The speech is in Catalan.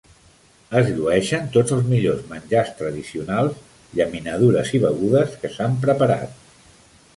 Es llueixen tots els millors menjars tradicionals, llaminadures i begudes que s'han preparat.